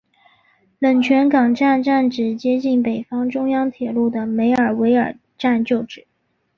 冷泉巷站站址接近北方中央铁路的梅尔维尔站旧址。